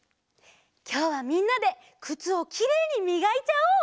きょうはみんなでくつをきれいにみがいちゃおう！